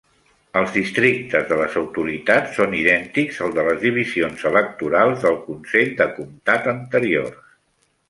Els districtes de les autoritats són idèntics als de les divisions electorals del consell de comtat anteriors.